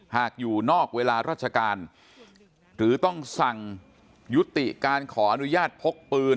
อยู่นอกเวลาราชการหรือต้องสั่งยุติการขออนุญาตพกปืน